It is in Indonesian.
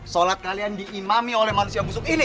sholat kalian diimami oleh manusia busuk ini